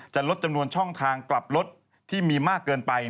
ลดจำนวนช่องทางกลับรถที่มีมากเกินไป